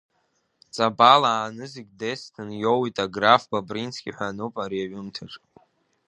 Ҵабал аа-нызықь десҭын иоуит аграф Бобрински ҳәа ануп ари аҩымҭаҿ.